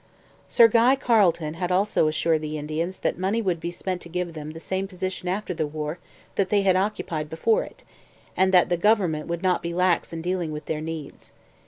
Sir Guy Carleton had also assured the Indians that money would be spent to give them the same position after the war that they had occupied before it, and that the government would not be lax in dealing with their needs.